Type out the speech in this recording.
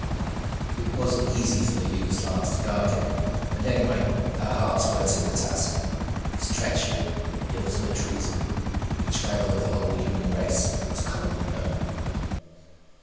It wasn't easy for the Yugoslavs to guard him and, anyway, their hearts weren't in the task. His treachery, the ultimate treason, the betrayal of the whole human race, was commonly known.